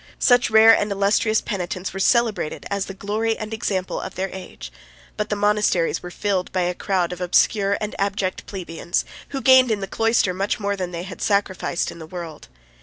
Such rare and illustrious penitents were celebrated as the glory and example of their age; but the monasteries were filled by a crowd of obscure and abject plebeians, 30 who gained in the cloister much more than they had sacrificed in the world.